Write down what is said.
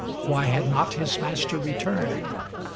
Why had not his master returned?